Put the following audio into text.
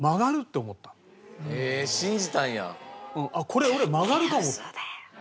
これ俺曲がるかも。